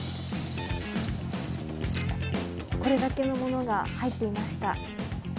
これだけのものが入っていました。